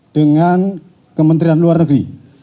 dengan kementerian luar negeri